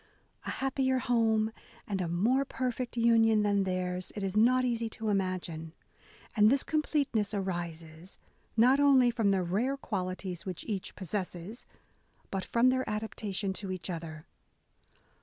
A happier home and a more perfect union than theirs, it is not easy to imagine : and this com pleteness arises, not only from the rare qualities which each possesses, but from their adapta tion to each other."